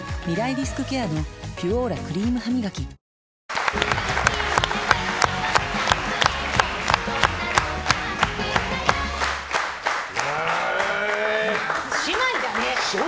リスクケアの「ピュオーラ」クリームハミガキ姉妹だね。